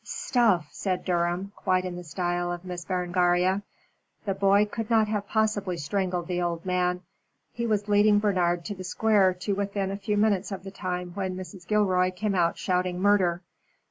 "Stuff!" said Durham, quite in the style of Miss Berengaria. "The boy could not have possibly strangled the old man. He was leading Bernard to the Square to within a few minutes of the time when Mrs. Gilroy came out shouting murder.